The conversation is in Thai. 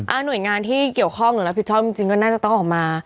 อาร์ห์น้วยงานที่เกี่ยวข้องและผิดทอดน่าจะต้องออกมา